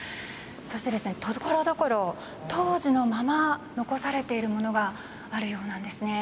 そして所々当時のまま残されているものがあるようなんですね。